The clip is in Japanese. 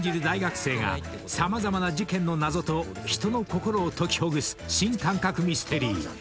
大学生が様々な事件の謎と人の心を解きほぐす新感覚ミステリー］